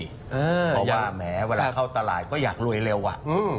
เพราะว่าแม้เวลาเข้าตลาดก็อยากรวยเร็วอะ